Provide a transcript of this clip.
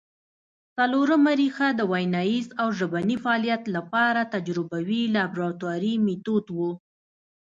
څلورمه ریښه د ویناييز او ژبني فعالیت له پاره تجربوي لابراتواري مېتود وو